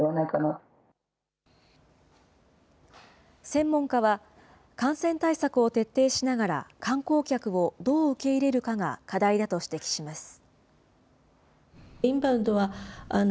専門家は、感染対策を徹底しながら、観光客をどう受け入れるかが課題だと指摘します。